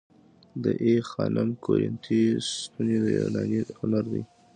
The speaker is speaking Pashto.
د آی خانم کورینتی ستونې د یوناني هنر دي